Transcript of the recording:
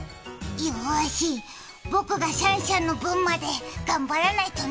よし、僕がシャンシャンの分まで頑張らないとね！